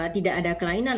tidak ada kelainan